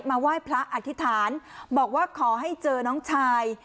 ไหว้พระอธิษฐานบอกว่าขอให้เจอน้องชาย